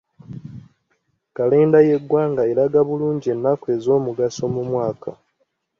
Kalenda y'eggwanga eraga bulungi ennaku ez'omugaso mu mwaka.